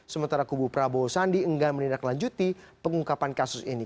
sementara kubu prabowo sandi enggan menindaklanjuti pengungkapan kasus ini